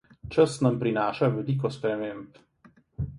Čas nam prinaša veliko sprememb.